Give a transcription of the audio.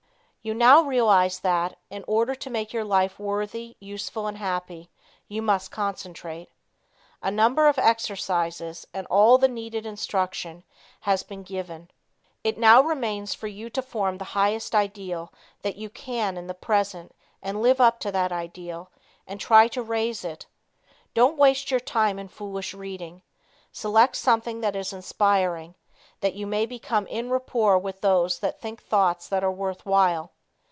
You now realize that, in order to make your life worthy, useful and happy, you must concentrate. A number of exercises and all the needed instruction has been given. It now remains for you to form the highest ideal that you can in the present and live up to that ideal, and try to raise it. Don't waste your time in foolish reading. Select something that is inspiring, that you may become enrapport with those that think thoughts that are worth while.